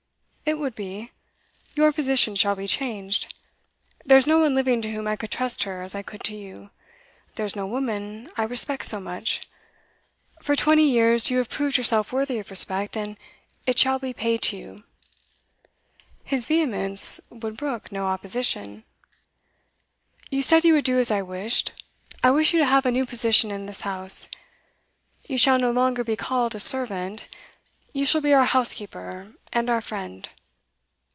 'It would be. Your position shall be changed. There's no one living to whom I could trust her as I could to you. There's no woman I respect so much. For twenty years you have proved yourself worthy of respect and it shall be paid to you.' His vehemence would brook no opposition. 'You said you would do as I wished. I wish you to have a new position in this house. You shall no longer be called a servant; you shall be our housekeeper, and our friend.